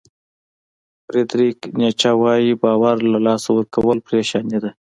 فریدریک نیچه وایي باور له لاسه ورکول پریشاني ده.